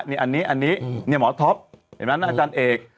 เนี่ยอันนี้อันนี้เนี่ยหมอท็อปเห็นนั้นอาจารย์เอก